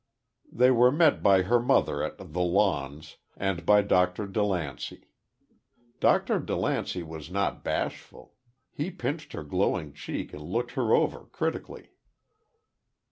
They were met by her mother at "The Lawns," and by Dr. DeLancey. Dr. DeLancey was not bashful. He pinched her glowing cheek and looked her over, critically.